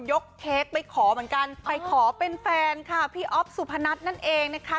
เค้กไปขอเหมือนกันไปขอเป็นแฟนค่ะพี่อ๊อฟสุพนัทนั่นเองนะคะ